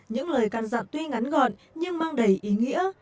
những lời can dặn tuy ngắn gọn nhưng mang đầy ý nghĩa